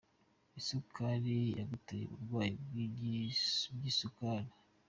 isukari yagutera uburwayi bwigisukari